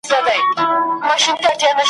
په كوڅه كي څراغ نه وو توره شپه وه ,